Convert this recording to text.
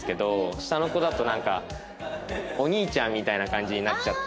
下の子だとなんかお兄ちゃんみたいな感じになっちゃって。